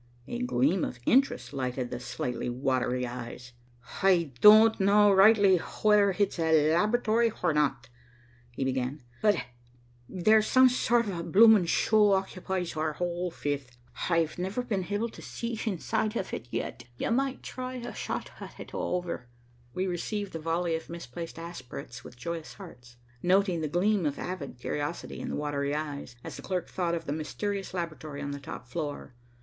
A gleam of interest lighted the slightly watery eyes. "H'I don't rightly know w'ether h'it's h'a laboritory h'or not," he began, "but there's some sort h'of a bloomin' show h'occupies h'our 'ole fifth. H'I've never been h'ible to see h'inside h'it yet. You might try h'a shot h'at h'it 'owever." We received the volley of misplaced aspirates with joyous hearts, noting the gleam of avid curiosity in the watery eyes, as the clerk thought of the mysterious laboratory on the top floor.